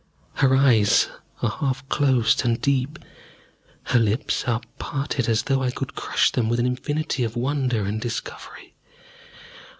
Her eyes are half closed and deep, her lips are parted as though I could crush them with an infinity of wonder and discovery.